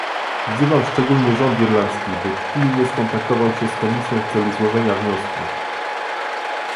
Wzywam szczególnie rząd irlandzki, by pilnie skontaktował się z Komisją w celu złożenia wniosku